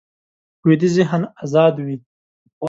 ویده ذهن ازاد وي